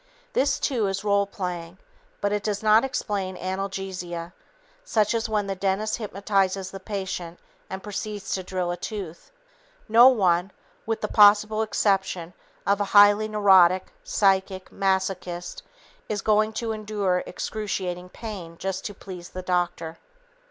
This, too, is role playing, but it does not explain analgesia, such as when the dentist hypnotizes the patient and proceeds to drill a tooth. No one (with the possible exception of a highly neurotic psychic masochist) is going to endure excruciating pain just to please the doctor.